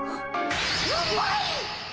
うまいっ！